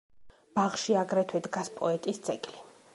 ბაღში აგრეთვე დგას პოეტის ძეგლი.